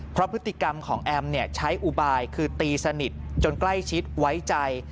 เพราะพฤติกรรมของแอมใช้อุบายคือตีสนิทจนใกล้ชิดไว้ใจ